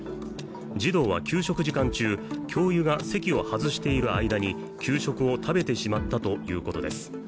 児童は給食時間中教諭が席を外している間に給食を食べてしまったということです。